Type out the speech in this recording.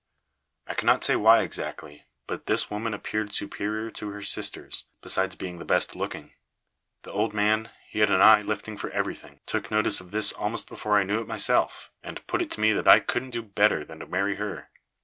I cannot say why exactly, but this woman appeared superior to her sisters, besides being the best looking. The old man he had an eye lifting for everything took notice of this almost before I knew it myself, and put it to me that I couldn't do better than to marry her.